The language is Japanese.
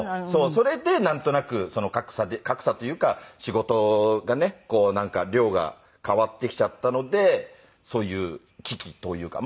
それでなんとなく格差というか仕事がねなんか量が変わってきちゃったのでそういう危機というか。